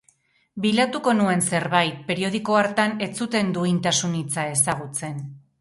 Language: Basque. Bilatuko nuen zerbait, periodiko hartan ez zuten duintasun hitza ezagutzen.